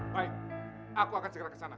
baik aku akan segera ke sana